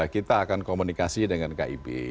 kita akan komunikasi dengan kib